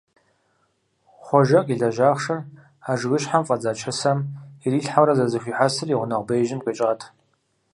Хъуэжэ къилэжь ахъшэр а жыгыщхьэм фӀэдза чысэм ирилъхьэурэ зэрызэхуихьэсыр и гъунэгъу беижьым къищӀат.